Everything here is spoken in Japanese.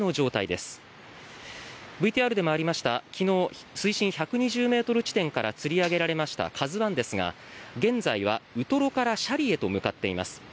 ＶＴＲでもありました昨日、水深１２０ｍ地点からつり上げられました「ＫＡＺＵ１」ですが現在はウトロから斜里へと向かっています。